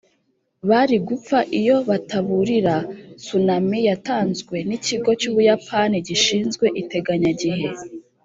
bari gupfa iyo bataburira tsunami yatanzwe n’ikigo cy’ubuyapani gishinzwe iteganyagihe.